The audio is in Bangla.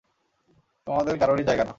তোমাদের কারোরই জায়গা না।